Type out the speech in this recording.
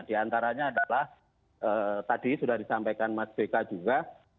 di antaranya adalah tadi sudah disampaikan mas beka juga